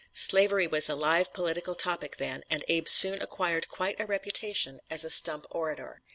Slavery was a live political topic then, and Abe soon acquired quite a reputation as a stump orator.